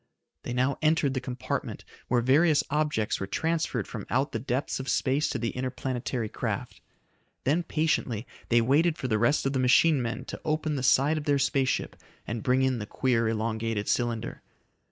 They now entered the compartment where various objects were transferred from out the depths of space to the interplanetary craft. Then patiently they waited for the rest of the machine men to open the side of their space ship and bring in the queer, elongated cylinder.